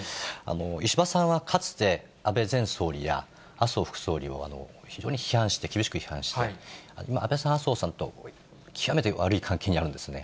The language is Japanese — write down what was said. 石破さんはかつて安倍前総理や麻生副総理を非常に批判して、厳しく批判して、今、安倍さん、麻生さんと極めて悪い関係にあるんですね。